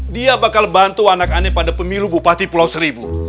dia bakal bantu anak anak pada pemilu bupati pulau seribu